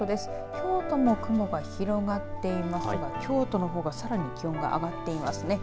京都も雲が広がっていますが京都のほうがさらに気温が上がっていますね。